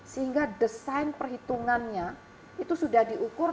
sehingga desain perhitungannya itu sudah diukur